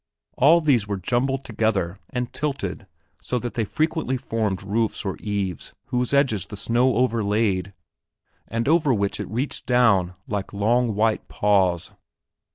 All these were jumbled together and tilted so that they frequently formed roofs or eaves whose edges the snow overlaid and over which it reached down like long white paws.